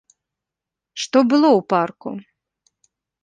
Што было ў парку?